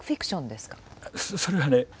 それがね